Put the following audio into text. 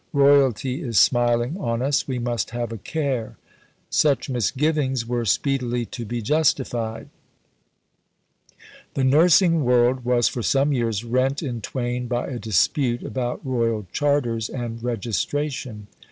Royalty is smiling on us; we must have a care." Such misgivings were speedily to be justified. See Bibliography A, No. 120. The nursing world was for some years rent in twain by a dispute about Royal Charters and Registration.